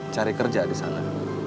cari kerja di sana